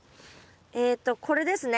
えっとこれですね？